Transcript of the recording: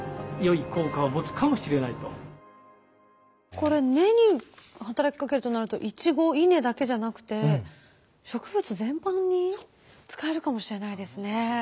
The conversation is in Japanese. これ根に働きかけるとなるとイチゴイネだけじゃなくて植物全般に使えるかもしれないですね。